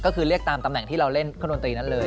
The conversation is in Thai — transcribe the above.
ก็คือเรียกตามตำแหน่งที่เราเล่นเครื่องดนตรีนั้นเลย